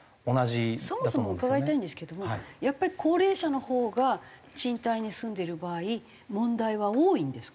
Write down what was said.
そもそも伺いたいんですけどもやっぱり高齢者のほうが賃貸に住んでいる場合問題は多いんですか？